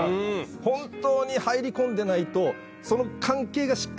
本当に入り込んでないと。